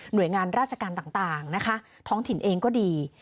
โดยงานราชการต่างนะคะท้องถิ่นเองก็ดี